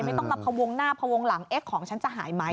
ไม่ต้องมาพวงหน้าพวงหลังเอ๊ะของฉันจะหายไหม